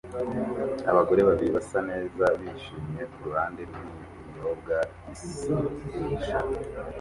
Abagore babiri basa neza bishimye kuruhande rwibinyobwa bisindisha